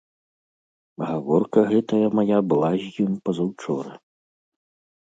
Гаворка гэтая мая была з ім пазаўчора.